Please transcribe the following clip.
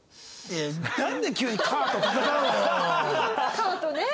カーとね。